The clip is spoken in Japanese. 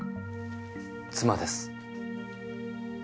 妻です。